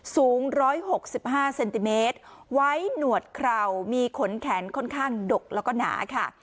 สูงร้อยหกสิบห้าเซนติเมตรไว้หนวดเข่ามีขนแขนค่อนข้างดกแล้วก็หนาค่ะ